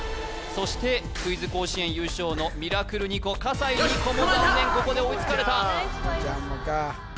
そしてクイズ甲子園優勝のミラクルニコ笠井虹来も残念ここで追いつかれた虹来ちゃんもか